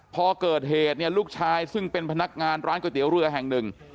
พอเกิดเหตุเนี่ยลูกชายซึ่งเป็นพนักงานร้านก๋วยเตี๋ยวเรือแห่งหนึ่ง